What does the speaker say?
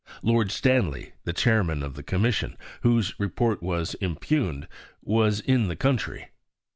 Lord Stanley, the Chairman of the Commission, whose Report was impugned, was in the country.